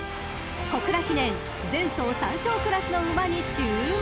［小倉記念前走３勝クラスの馬に注目！］